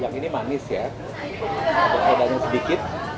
yang ini manis ya ada airnya sedikit